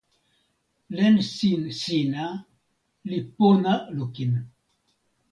len sin sina li pona lukin.